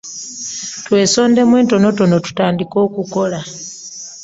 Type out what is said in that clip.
Twesondemu entonotono tutandike okukola.